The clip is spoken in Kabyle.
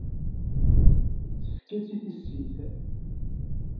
Tefka-tt i tissit.